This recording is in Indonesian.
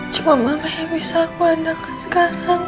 cuma mana yang bisa aku andalkan sekarang